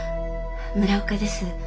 村岡です。